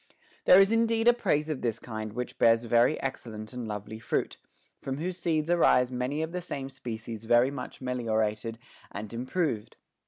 There is indeed a praise of this kind which bears very excellent and lovely fruit, from whose seeds arise many of the same species very much meliorated and improved.